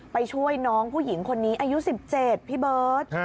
ไปช่วยน้องผู้หญิงคนนี้อายุ๑๗พี่เบิร์ต